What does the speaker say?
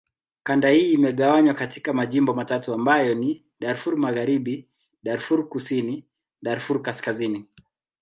Kanda hii imegawanywa katika majimbo matatu ambayo ni: Darfur Magharibi, Darfur Kusini, Darfur Kaskazini.